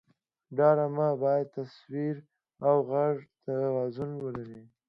ډرامه باید د تصویر او غږ توازن ولري